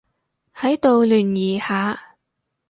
喺度聯誼下